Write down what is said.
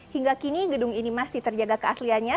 hingga kini gedung ini masih terjaga keasliannya